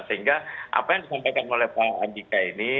sehingga apa yang disampaikan oleh pak andika ini